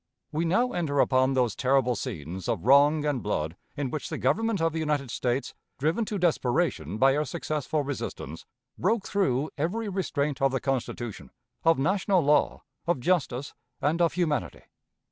We now enter upon those terrible scenes of wrong and blood in which the government of the United States, driven to desperation by our successful resistance, broke through every restraint of the Constitution, of national law, of justice, and of humanity.